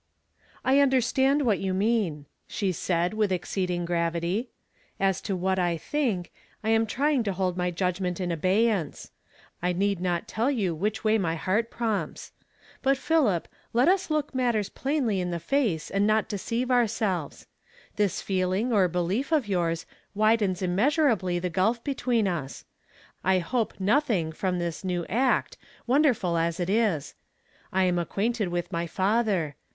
UNDERSTAND what you mean," she said with exceeding gravity ;'' as to what I tliink, I am trying to hohl my judgment in abey ance; I need not tell you which way my heart prompts. But, Philip, let us look matters plainly in the face, and not deceive oui selves. This feeling or belief of yours widens immeasurably the gulf between us. I hope nothing from this new act, wonderful as it is. I am acquainted with my father.